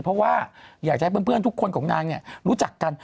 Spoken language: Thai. เพราะว่าอยากจะให้เพื่อนทุกคนของนางรู้จักกัน